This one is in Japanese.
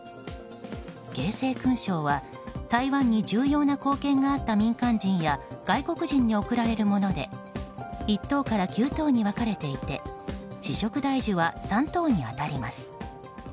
景星勲章は台湾に重要な貢献があった民間人や外国人に贈られるもので一等から九等に分かれていて紫色大綬は三等に当たります。